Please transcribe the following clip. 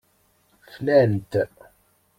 Flan-t.